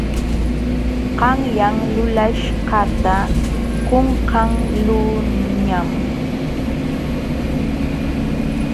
Qanyan lulaśhqata qunqaqluuñam.